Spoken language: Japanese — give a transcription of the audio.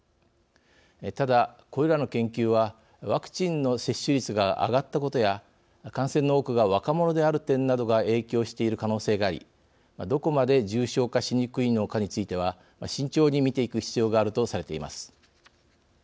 ただ、これらの研究はワクチンの接種率が上がったことや、感染の多くが若者である点などが影響している可能性がありどこまで重症化しにくいのかについては、慎重に見ていく必要があるとされています。